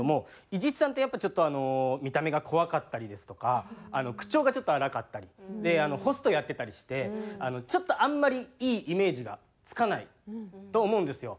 伊地知さんってやっぱちょっと見た目が怖かったりですとか口調がちょっと荒かったり。でホストやってたりしてちょっとあんまりいいイメージがつかないと思うんですよ。